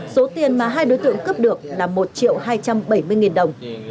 số tiền mà hai đối tượng cướp được là một triệu hai trăm bảy mươi nghìn đồng